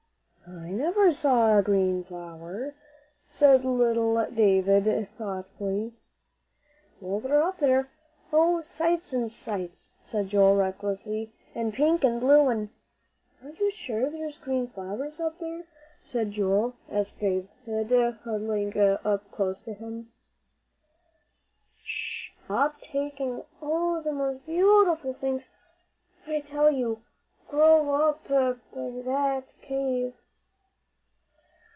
"I never saw a green flower," said little David, thoughtfully. "Well, they're up there. Oh, sights an' sights," said Joel, recklessly. "An' pink and blue an' " "Are you sure there are green flowers up there, Joel?" asked David, huddling up to him close. "Sh stop talking oh, the most beyewtiful things, I tell you, grow up by that cave."